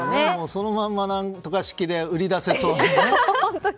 そのまんま、何とか式で売り出せそうですよね。